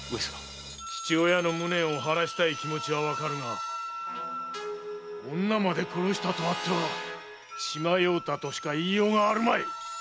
⁉父親の無念を晴らしたい気持ちはわかるが女まで殺したとあっては血迷うたとしか言いようがあるまい！